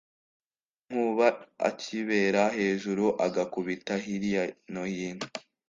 nkuba akibera hejuru agakubita hilya no hino